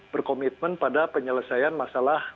berkomitmen pada penyelesaian masalah